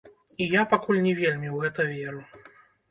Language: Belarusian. І я пакуль не вельмі ў гэта веру.